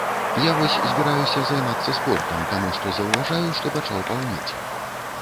Я вось збіраюся займацца спортам, таму што заўважаю, што пачаў паўнець.